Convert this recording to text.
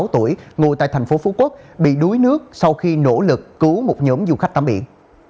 năm mươi sáu tuổi ngồi tại tp phú quốc bị đuối nước sau khi nỗ lực cứu một nhóm du khách tắm biển